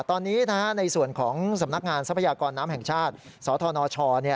ตอนนี้ในส่วนของสำนักงานทรัพยากรน้ำแห่งชาติสธนช